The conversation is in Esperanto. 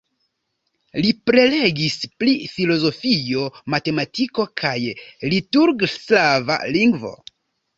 Li prelegis pri filozofio, matematiko kaj liturg-slava lingvo.